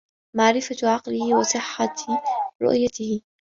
مَعْرِفَةُ عَقْلِهِ وَصِحَّةِ رَوِيَّتِهِ